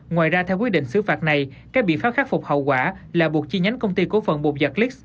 ngoài ra theo quy định xử phạt này các biện pháp khắc phục hậu quả là buộc chi nhánh công ty cổ phần bột giặc lix